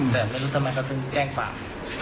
แต่ไม่รู้ทำไมเขาก็จะแกล้งปาก